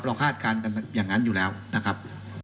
เราคาดการอย่างนั้นอยู่แล้วนะครับ